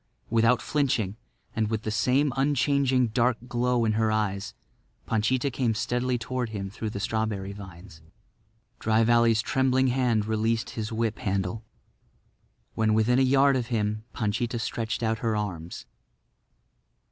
Without flinching and with the same unchanging dark glow in her eyes, Panchita came steadily toward him through the strawberry vines. Dry Valley's trembling hand released his whip handle. When within a yard of him Panchita stretched out her arms.